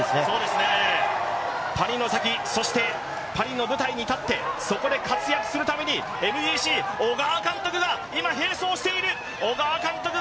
パリの先、そしてパリの舞台に立ってそこで活躍するために、ＭＧＣ、小川監督が今、併走している。